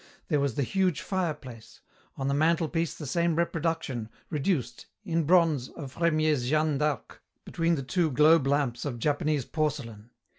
There was the huge fireplace; on the mantelpiece the same reproduction, reduced, in bronze, of Fremiet's Jeanne d'Arc, between the two globe lamps of Japanese porcelain.